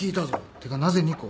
てかなぜ２個？